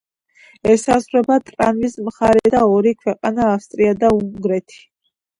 ესაზღვრება ტრნავის მხარე და ორი ქვეყანა ავსტრია და უნგრეთი.